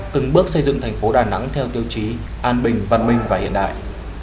từng bước xây dựng thành phố đà nẵng theo tiêu chí an bình văn minh và hiện đại